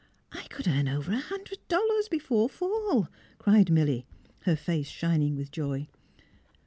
I could earn over a hundred dollars before fall," cried Milly, her face shining with joy.